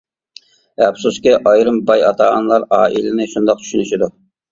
ئەپسۇسكى، ئايرىم باي ئاتا-ئانىلار ئائىلىنى شۇنداق چۈشىنىشىدۇ.